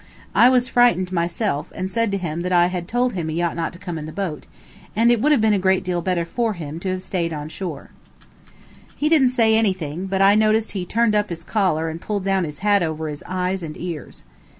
I was frightened myself, and said to him that I had told him he ought not to come in the boat, and it would have been a good deal better for him to have stayed on shore. He didn't say anything, but I noticed he turned up his collar and pulled down his hat over his eyes and ears.